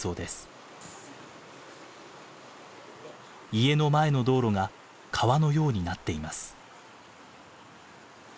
家の前の道路が川のようになっています。